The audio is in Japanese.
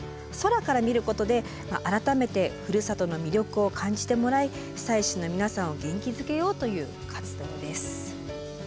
空から見ることで改めてふるさとの魅力を感じてもらい被災者の皆さんを元気づけようという活動です。